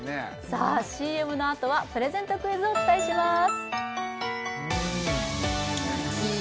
さあＣＭのあとはプレゼントクイズをお伝えします